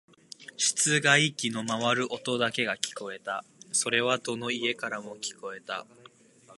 室外機の回る音だけが聞こえた。それはどの家からも聞こえた。